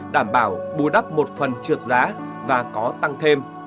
đảm bảo bù đắp một phần trượt giá và có tăng thêm